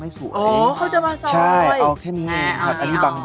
ใช่พร้อมมาเป็นลักษณะแบบนี้นะครับ